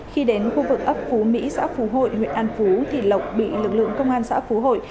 khi đến khu vực ấp phú mỹ xã phú hội huyện an phú thì lộc bị lực lượng công an xã phú hội